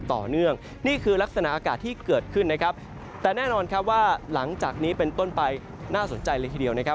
แต่แน่นอนครับว่าหลังจากนี้เป็นต้นไปน่าสนใจเลยทีเดียวนะครับ